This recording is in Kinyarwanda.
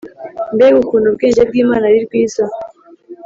Mbega ukuntu ubwenge bw Imana ari rwiza